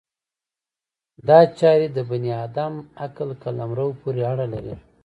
دا چارې د بني ادم عقل قلمرو پورې اړه لري.